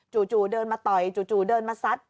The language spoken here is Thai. เดินมาต่อยจู่เดินมาซัด